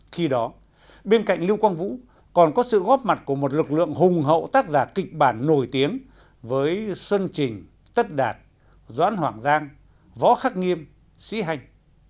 khi đó bên cạnh lưu quang vũ còn có sự góp mặt của một lực lượng hùng hậu tác giả kịch bản nổi tiếng với xuân trình tất đạt doãn hoàng giang võ khắc nghiêm sĩ hanh